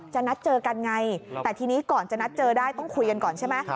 นัดเจอกันไงแต่ทีนี้ก่อนจะนัดเจอได้ต้องคุยกันก่อนใช่ไหม